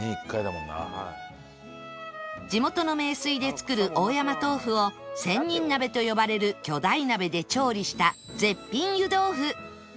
地元の名水で作る大山豆腐を「仙人鍋」と呼ばれる巨大鍋で調理した絶品湯豆腐